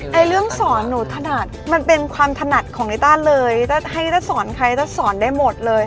ไอ้เรื่องสอนหนูถนัดมันเป็นความถนัดของลิต้าเลยถ้าให้ถ้าสอนใครจะสอนได้หมดเลย